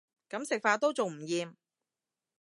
噉食法都仲唔厭